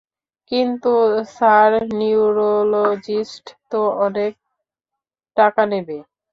কিন্তু sir, neurologist তো অনেক টাকা নেবে!